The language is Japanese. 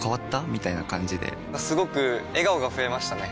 みたいな感じですごく笑顔が増えましたね！